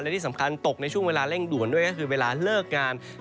และที่สำคัญตกในช่วงเวลาเร่งด่วนด้วยก็คือเวลาเลิกงาน